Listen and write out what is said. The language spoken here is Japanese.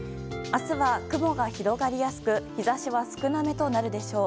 明日は雲が広がりやすく日差しは少なめとなるでしょう。